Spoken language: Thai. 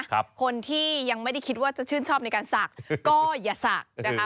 คนที่ยังไม่ได้คิดว่าจะชื่นชอบในการศักดิ์ก็อย่าศักดิ์นะคะ